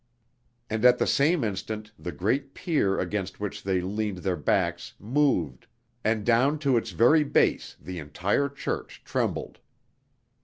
And at the same instant the great pier against which they leaned their backs moved, and down to its very base the entire church trembled.